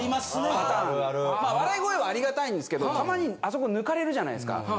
・あるある・笑い声はありがたいんですけどたまにあそこ抜かれるじゃないですか。